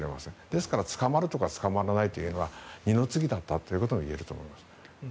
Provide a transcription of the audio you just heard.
ですから、捕まるとか捕まらないということは二の次だったということも言えると思います。